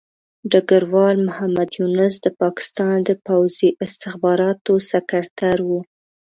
ډګروال محمد یونس د پاکستان د پوځي استخباراتو سکرتر وو.